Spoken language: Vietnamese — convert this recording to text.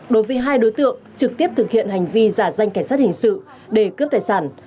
đối với hai đối tượng trực tiếp thực hiện hành vi giả danh cảnh sát hình sự để cướp tài sản